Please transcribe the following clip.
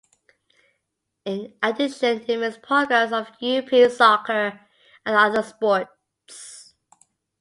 In addition it emits programs of European soccer and other sports.